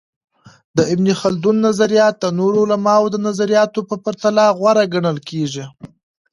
د ابن خلدون نظریات د نورو علماؤ د نظریاتو په پرتله غوره ګڼل کيږي.